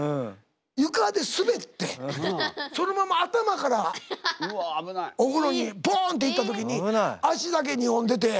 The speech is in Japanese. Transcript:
床で滑ってそのまま頭からお風呂にボンって行った時に脚だけ２本出て。